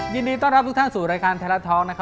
ยินดีต้อนรับทุกท่านสู่รายการแทรล่าทอล์ก